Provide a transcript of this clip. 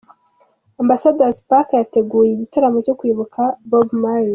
Ambassador's Park yateguye igitaramo cyo kwibuka Bob Marley.